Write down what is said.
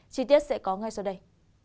chi tiết sẽ có ngay sau đây